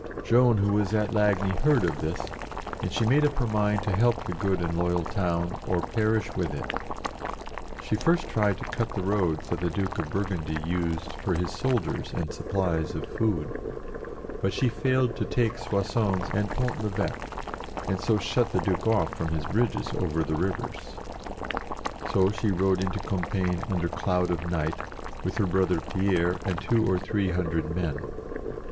Joan, who was at Lagny, heard of this, and she made up her mind to help the good and loyal town, or perish with it She first tried to cut the roads that the Duke of Burgundy used for his soldiers and supplies of food, but she failed to take Soissons and Pont 1'Iiveque, and so shut the Duke off from his bridges over the rivers. So she rode into Compiegne under 86 JOAN OF ARC cloud of night, with her brother Pierre, and two or three hundred men.